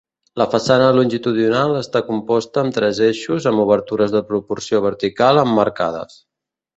La façana longitudinal està composta amb tres eixos amb obertures de proporció vertical emmarcades.